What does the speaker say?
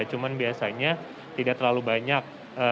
cuman biasanya tidak terlalu banyak